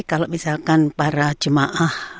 kalau misalkan para jemaah